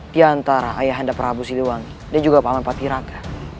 di antara ayah handa prabu siliwangi dan juga pak man pakir raga